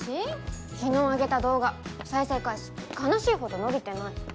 昨日あげた動画再生回数悲しいほど伸びてない。